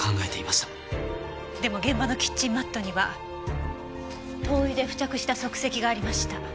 でも現場のキッチンマットには灯油で付着した足跡がありました。